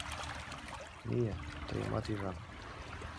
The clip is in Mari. — Мие, тыйымат ӱжам.